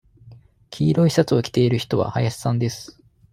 黄色いシャツを着ている人は林さんです。